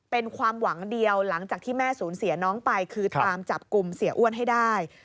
เป็นความหวังเดียวหลังจากที่แม่สูญเสียน้องไปคือตามจับกลุ่มเสียอ้วนให้ได้